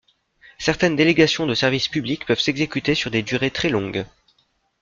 Certaines délégations de service public peuvent s’exécuter sur des durées très longues.